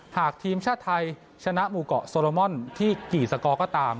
หากทีมชาติไทยชนะหมู่เกาะโซโลมอนที่กี่สกอร์ก็ตาม